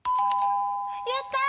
やった！